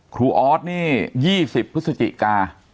ออสนี่๒๐พฤศจิกา